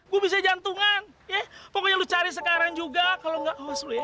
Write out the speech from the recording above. gue bisa jantungan ya pokoknya lu cari sekarang juga kalo ga awas dulu ya